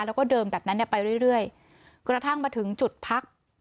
แล้วก็เดินแบบนั้นเนี่ยไปเรื่อยกระทั่งมาถึงจุดพัก